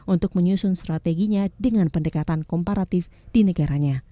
untuk menyusun strateginya dengan pendekatan komparatif di negaranya